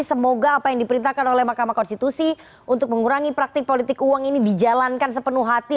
semoga apa yang diperintahkan oleh mahkamah konstitusi untuk mengurangi praktik politik uang ini dijalankan sepenuh hati